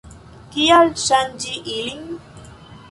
Kial ŝanĝi ilin?